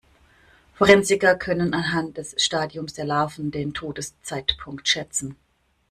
Forensiker können anhand des Stadiums der Larven den Todeszeitpunkt schätzen.